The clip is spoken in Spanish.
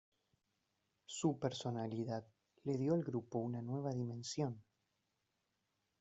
Su personalidad le dio al grupo una nueva dimensión.